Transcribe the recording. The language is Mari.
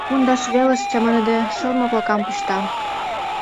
Пундаш велыш, чаманыде, шыл моклакам пышта.